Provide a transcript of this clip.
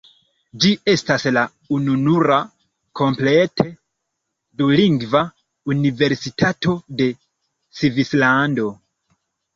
Ĝi estas la ununura komplete dulingva universitato de Svislando.